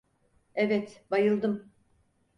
Evet, bayıldım.